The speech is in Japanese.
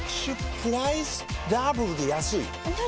プライスダブルで安いＮｏ！